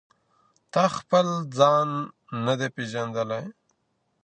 تا خپل ځان نه دی پیژندلی.